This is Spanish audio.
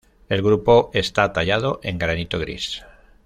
El grupo está tallado en granito gris.